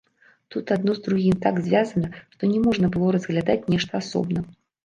Тут адно з другім так звязана, што не можна было разглядаць нешта асобна.